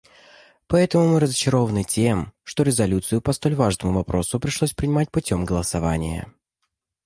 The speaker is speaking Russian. Поэтому мы разочарованы тем, что резолюцию по столь важному вопросу пришлось принимать путем голосования.